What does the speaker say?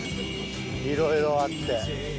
いろいろあって。